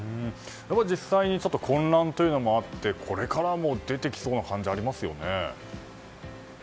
実際に混乱というのもあってこれからも出てきそうな感じがありますよね。